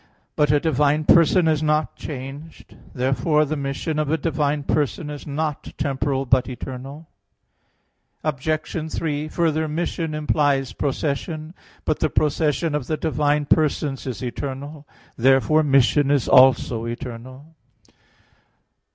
But a divine person is not changed. Therefore the mission of a divine person is not temporal, but eternal. Obj. 3: Further, mission implies procession. But the procession of the divine persons is eternal. Therefore mission is also eternal.